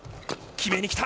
決めに来た。